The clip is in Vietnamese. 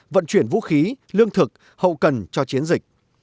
vận chuyển vũ khí lương thực hậu cần cho chiến dịch